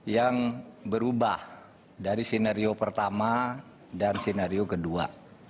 yang berubah dari sinario pertama dan sinario kedua